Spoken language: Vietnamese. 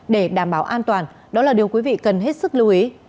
để đảm bảo an toàn đó là điều quý vị cần hết sức lưu ý